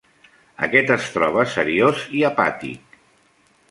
Aquest es troba seriós i apàtic.